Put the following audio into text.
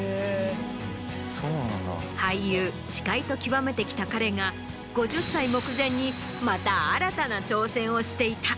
俳優司会と極めてきた彼が５０歳目前にまた新たな挑戦をしていた。